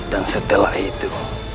dan setelah itu